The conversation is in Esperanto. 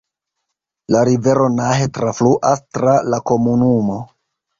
La rivero Nahe trafluas tra la komunumo.